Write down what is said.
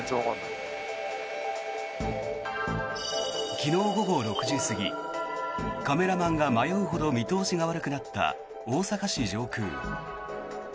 昨日午後６時過ぎカメラマンが迷うほど見通しが悪くなった大阪市上空。